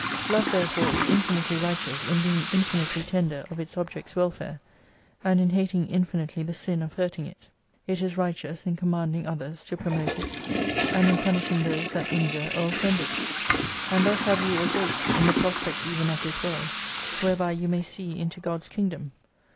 Love therefore is infinitely righteous in being infinitely tender of its object's welfare : and in hating infinitely the sin of hurting it. It is righteous in commandmg others to 100 i promote it, and in punishing those that injure or offend it. And thus have you a Gate, in the prospect even of this world, whereby you may see into God's Kingdom.